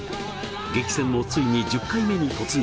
激戦もついに１０回目に突入！